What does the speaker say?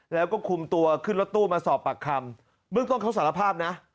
แล้วก็คุมตัวขึ้นรถตู้มาสอบปากคำเบื้องต้นเขาสารภาพนะ